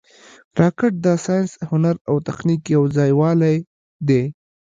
راکټ د ساینس، هنر او تخنیک یو ځای والې دی